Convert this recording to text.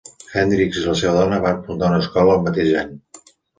Hendrix i la seva dona van fundar una escola el mateix any.